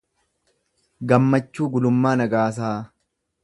Gammachuu Gulummaa Nagaasaa